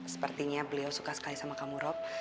sepertinya beliau suka sekali sama kamu rob